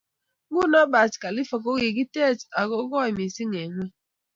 Nguno Burj Khalifa kogigitech ako koi mising eng ngony